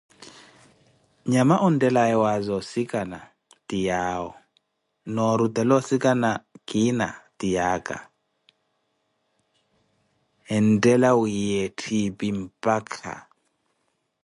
Nyama onttelaawe waaza osikana ti yaawo, noorutela osikana kiina ti yaaka, enttela wiiya ettipi mpakha.